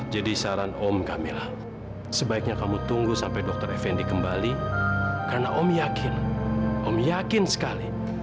jadi saran om kamila sebaiknya kamu tunggu sampai dokter effendi kembali karena om yakin om yakin sekali